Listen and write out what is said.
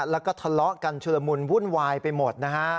แล้วก็ทะเลาะกันชุลมุนวุ่นวายไปหมดนะฮะ